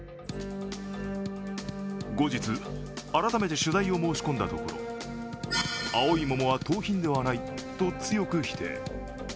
後日、改めて取材を申し込んだところ青い桃は盗品ではないと強く否定。